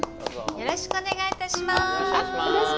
よろしくお願いします。